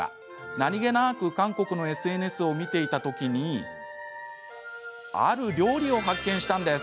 何気なく韓国のＳＮＳを見ていたときにある料理を発見したんです。